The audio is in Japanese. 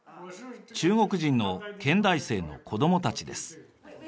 中国人の建大生の子どもたちです。